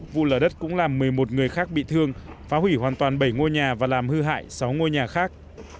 vụ lở đất cũng làm một mươi một người khác bị thương phá hủy hoàn toàn bảy ngôi nhà và làm hư hại sáu ngôi nhà khác